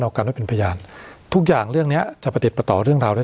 กันไว้เป็นพยานทุกอย่างเรื่องเนี้ยจะประติดประต่อเรื่องราวและ